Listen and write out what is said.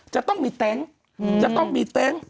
จะต้องมีเต็งจะต้องมีเต็ง